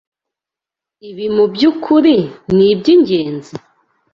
Ibi mubyukuri nibyingenzi?